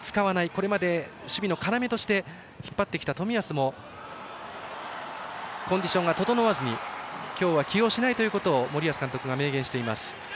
これまで、守備の要として引っ張ってきた冨安もコンディションが整わずに今日は起用しないということを森保監督も明言しています。